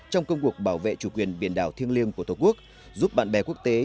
trong công cuộc bảo vệ chủ quyền biển đảo thiêng liêng của tổ quốc giúp bạn bè quốc tế